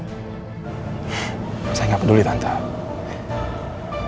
kamu tau gak kalau kamu melakukan itu justru akan memperkeruh keadaan